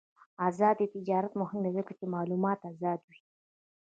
آزاد تجارت مهم دی ځکه چې معلومات آزادوي.